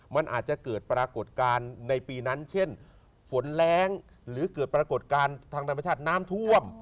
มันอาจจะเกิดปรากฏการณ์ในปีนั้นเช่นฝนแรงหรือเกิดปรากฏการณ์ทางธรรมชาติน้ำท่วม